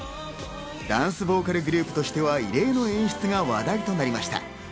ダンスボーカルグループとしては異例の演出が話題となりました。